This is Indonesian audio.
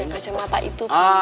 kacamata itu pi